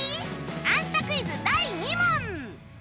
『あんスタ』クイズ第２問